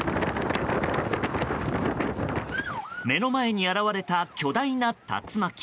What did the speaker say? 目の前に現れた巨大な竜巻。